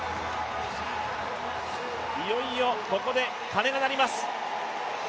いよいよここで、鐘が鳴ります。